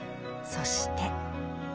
そして。